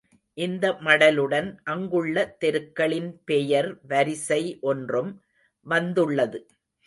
இந்த மடலுடன் அங்குள்ள தெருக்களின் பெயர் வரிசை ஒன்றும் வந்துள்ளது.